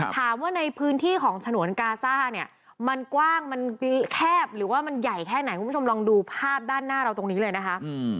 ถามว่าในพื้นที่ของฉนวนกาซ่าเนี่ยมันกว้างมันแคบหรือว่ามันใหญ่แค่ไหนคุณผู้ชมลองดูภาพด้านหน้าเราตรงนี้เลยนะคะ